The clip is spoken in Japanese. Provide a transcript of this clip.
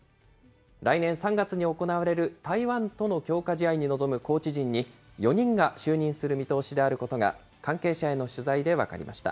来年３月に行われる台湾との強化試合に臨むコーチ陣に、４人が就任する見通しであることが、関係者への取材で分かりました。